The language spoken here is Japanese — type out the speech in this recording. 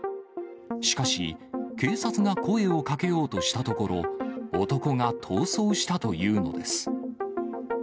しかし、警察が声をかけようとしたところ、男が逃走したというのです。